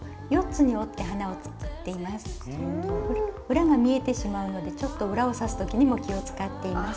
裏が見えてしまうのでちょっと裏を刺す時にも気を遣っています。